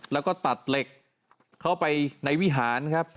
แล้วก็ตัดเหล็กเข้าไปในวิหารครับ